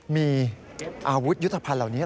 มีอาวุธยุทธภัณฑ์เหล่านี้